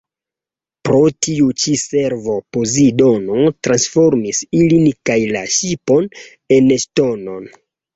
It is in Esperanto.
Pro tiu ĉi servo Pozidono transformis ilin kaj la ŝipon en ŝtonon.